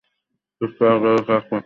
সৃষ্টির আদিতে একমাত্র আকাশই থাকে।